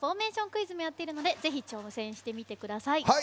クイズもやっているのでぜひ挑戦してみてください。